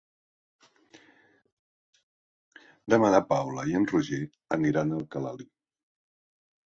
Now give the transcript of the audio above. Demà na Paula i en Roger aniran a Alcalalí.